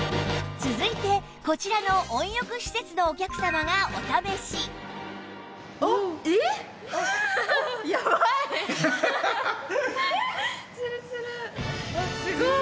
続いてこちらの温浴施設のお客様がお試しハハハハハッ！